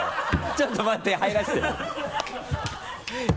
ちょっと待って入らせて